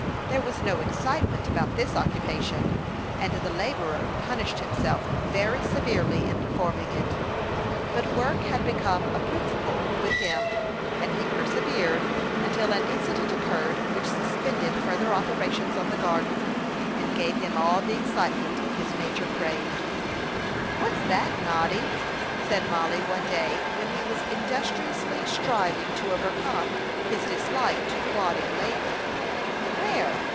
There was no excitement about this occupation, and the laborer "punished" himself very severely in performing it; but work had become a principle with him, and he persevered until an incident occurred which suspended further operations on the garden, and gave him all the excitement his nature craved. "What's that, Noddy?" said Mollie, one day, when he was industriously striving to overcome his dislike to plodding labor. "Where?"